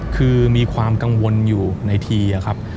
คือมีความกังวลอยู่ในทีครับ